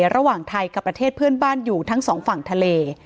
ระหว่างไทยกับประเทศเพื่อนบ้านอยู่ทั้งสองฝั่งทะเล